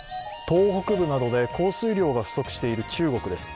東北部などで降水量が不足している中国です。